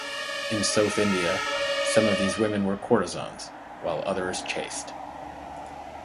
In south India, some of these women were courtesans, while others chaste.